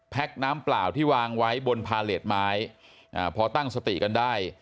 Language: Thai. น้ำเปล่าที่วางไว้บนพาเลสไม้อ่าพอตั้งสติกันได้